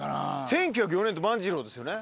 １９０４年って万次郎ですよね。